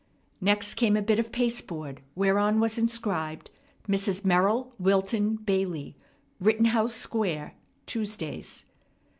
Next came a bit of pasteboard whereon was inscribed, "Mrs. Merrill Wilton Bailey, Rittenhouse Square, Tuesdays."